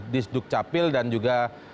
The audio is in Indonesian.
disduk capil dan juga